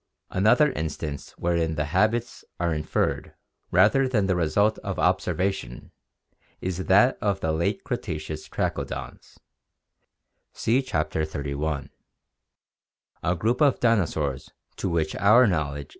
Another instance wherein the habits are inferred rather than the result of observation is that of the late Cretaceous Trachodons (see Chapter XXXI), a group of dinosaurs of which our knowledge ORGANIC EVOLUTION Fie.